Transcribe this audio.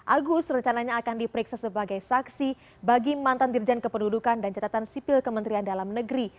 agus rencananya akan diperiksa sebagai saksi bagi mantan dirjen kependudukan dan catatan sipil kementerian dalam negeri